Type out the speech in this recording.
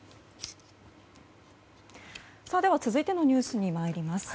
では続いてのニュースに参ります。